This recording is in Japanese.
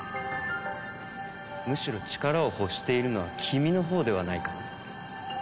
むしろ力を欲しているのは君のほうではないかな？